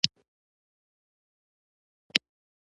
د تودو شګو لمس یو نرم خوند لري.